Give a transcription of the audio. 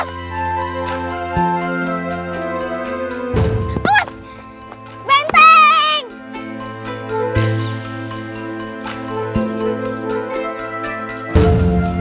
cari orang yang akan menemanimu